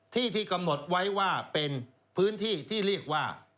ที่ที่กำหนดไว้ว่าเป็นพื้นที่ที่เรียกว่า